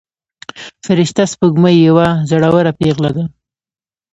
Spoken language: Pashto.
فرشته سپوږمۍ یوه زړوره پيغله ده.